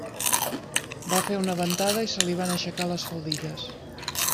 Va fer una ventada i se li van aixecar les faldilles.